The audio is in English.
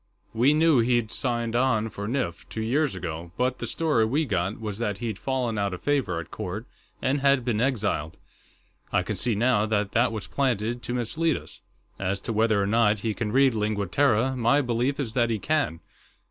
"We knew he'd signed on for Nif, two years ago, but the story we got was that he'd fallen out of favor at court and had been exiled. I can see, now, that that was planted to mislead us. As to whether or not he can read Lingua Terra, my belief is that he can.